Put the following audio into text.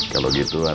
kalau gitu ab